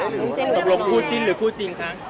ตกลงคู่จิ้นหรือคู่จริงคะ